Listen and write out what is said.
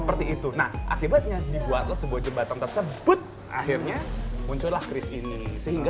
seperti itu nah akibatnya dibuatlah sebuah jembatan tersebut akhirnya muncullah kris ini sehingga